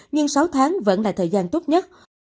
nhưng sáu tháng vẫn là thời gian tốt nhất